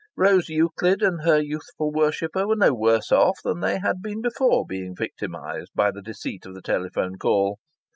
Rose Euclid and her youthful worshipper were no worse off than they had been before being victimized by the deceit of the telephone call.